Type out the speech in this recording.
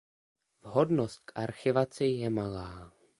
Vhodnost k archivaci je malá.